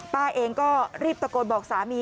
ป้าเองก็รีบตะโกนบอกสามี